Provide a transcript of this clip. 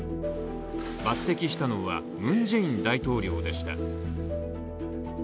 抜てきしたのはムン・ジェイン大統領でした。